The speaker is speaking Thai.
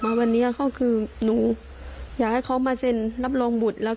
มาวันนี้ก็คือหนูอยากให้เขามาเซ็นรับรองบุตรแล้ว